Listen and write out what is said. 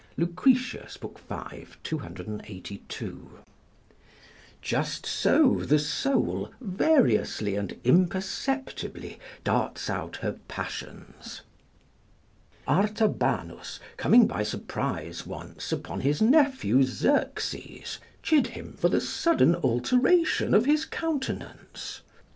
Lucretius, v. 282.] Just so the soul variously and imperceptibly darts out her passions. Artabanus coming by surprise once upon his nephew Xerxes, chid him for the sudden alteration of his countenance.